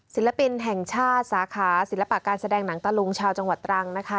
ศิลปินแห่งชาติสาขาศิลปะการแสดงหนังตะลุงชาวจังหวัดตรังนะคะ